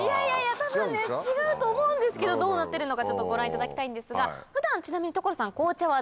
多分違うと思うんですけどどうなってるのかご覧いただきたいんですが普段ちなみに所さん紅茶は飲まれますか？